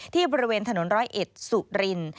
ที่บริเวณถนน๑๐๑สู่ริน